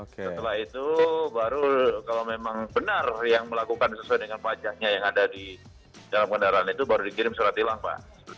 setelah itu baru kalau memang benar yang melakukan sesuai dengan wajahnya yang ada di dalam kendaraan itu baru dikirim surat tilang pak